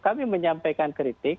kami menyampaikan kritik